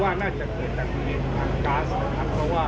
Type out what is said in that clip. ด้านของนายนัทจับใจรองอธิบดิกรมเจ้าท่าก็เปิดเผยบอกว่า